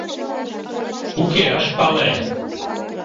Уке, ыш пале.